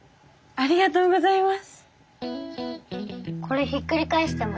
ありがとうございます。